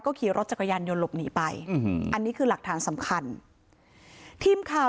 ขี่รถจักรยานยนต์หลบหนีไปอืมอันนี้คือหลักฐานสำคัญทีมข่าว